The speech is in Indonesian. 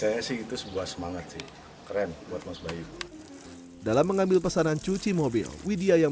saya sih itu sebuah semangat sih keren buat mas bayu dalam mengambil pesanan cuci mobil widya yang